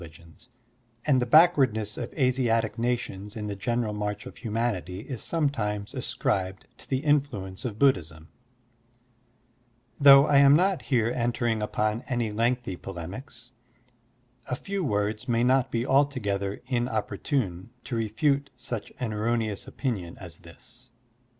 Digitized by Google 76 SERMONS OF A BUDDHIST ABBOT nations in the general march of humanity is sometimes ascribed to the influence of Buddhism. Though I am not here entering upon any lengthy polemics, a few words may not be altogether inopporttme to refute such an erroneous opinion as this.